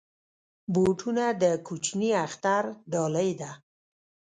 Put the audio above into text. بوټونه د کوچني اختر ډالۍ ده.